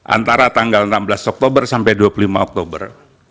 antara tanggal enam belas oktober sampai dua puluh lima oktober